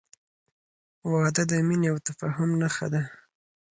• واده د مینې او تفاهم نښه ده.